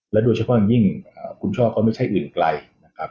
โดยเฉพาะอย่างยิ่งคุณช่อก็ไม่ใช่อื่นไกลนะครับ